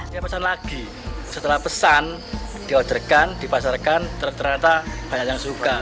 kita pesan lagi setelah pesan diaudarkan dipasarkan ternyata banyak yang suka